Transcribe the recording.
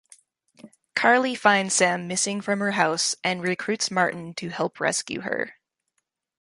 Carly finds Sam missing from her house and recruits Martin to help rescue her.